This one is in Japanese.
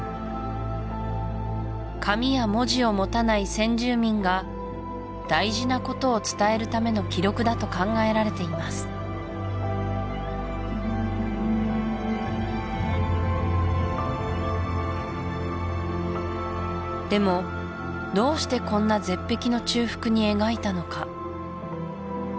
紙や文字を持たない先住民が大事なことを伝えるための記録だと考えられていますでもどうしてこんな絶壁の中腹に描いたのか？